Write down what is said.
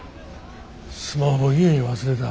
スマホ家に忘れた。